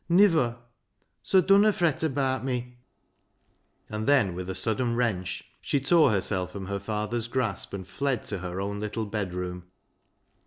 Niver ! soa dunna fret abaat me," and then with a sudden wrench she tore herself from her father's grasp and fled to her own little bedroom.